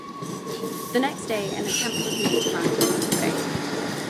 The next day, an attempt was made to land in North Bay.